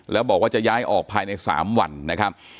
แล้วบอกว่าจะย้ายออกภายใน๓วันนะครับ